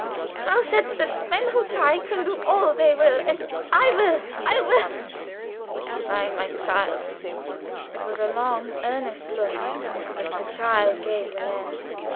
Thou saidst that men who try can do all they will and I will, I will." "Why, my child?" It was a long earnest look that the child gave the man.